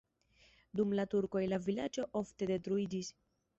Dum la turkoj la vilaĝo ofte detruiĝis.